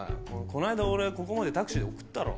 この間俺ここまでタクシーで送ったろ。